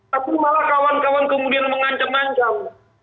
tapi malah kawan kawan kemudian mengancam ancam